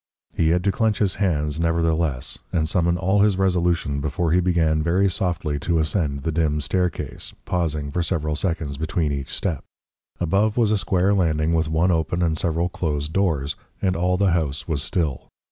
He had to clench his hands, nevertheless, and summon all his resolution before he began very softly to ascend the dim staircase, pausing for several seconds between each step. Above was a square landing with one open and several closed doors; and all the house was still.